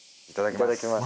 いただきます。